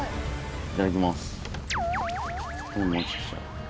いただきます。